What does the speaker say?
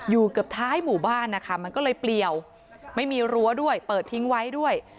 เกือบท้ายหมู่บ้านนะคะมันก็เลยเปลี่ยวไม่มีรั้วด้วยเปิดทิ้งไว้ด้วย